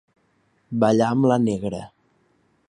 Ballar amb la negra.